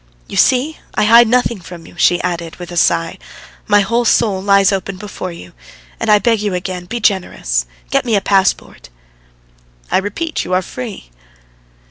"You see, I hide nothing from you," she added, with a sigh. "My whole soul lies open before you. And I beg you again, be generous, get me a passport." "I repeat, you are free."